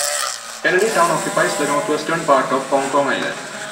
Kennedy Town occupies the northwestern part of Hong Kong Island.